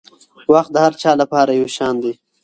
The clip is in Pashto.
وخت د هر چا لپاره یو شان دی.